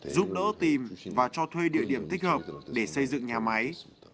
giúp đỡ tìm và cho thuê địa điểm thích hợp để xây dựng nhà máy